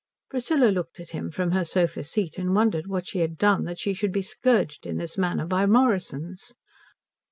Priscilla looked at him from her sofa seat and wondered what she had done that she should be scourged in this manner by Morrisons.